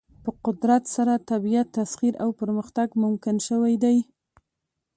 په قدرت سره طبیعت تسخیر او پرمختګ ممکن شوی دی.